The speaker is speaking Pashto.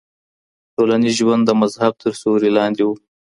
ټولنيز ژوند د مذهب تر سيوري لاندې و.